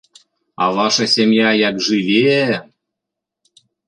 А ваша сям'я як жыве!